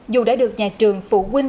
dù đã được nhà trường phụ huynh